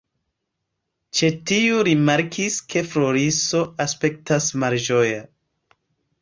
Ĉe tiu rimarkis, ke Floriso aspektas malĝoja.